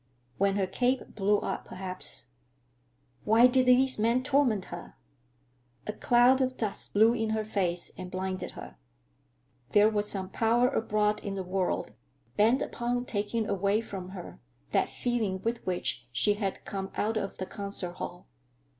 When her cape blew up, perhaps—Why did these men torment her? A cloud of dust blew in her face and blinded her. There was some power abroad in the world bent upon taking away from her that feeling with which she had come out of the concert hall.